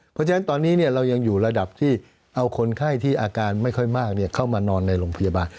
เพราะฉะนั้นตอนนี้เรายังอยู่ระดับที่เอาคนไข้ที่อาการไม่ค่อยมากเข้ามานอนในโรงพยาบาล